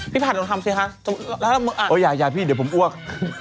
ผัดลองทำสิคะแล้วอย่าพี่เดี๋ยวผมอ้วก